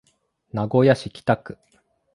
名古屋市北区